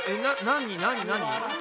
何何？